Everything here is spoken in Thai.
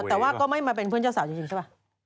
แต่ว่าก็ไม่มาเป็นเพื่อนเจ้าสาวจริงใช่ป่ะ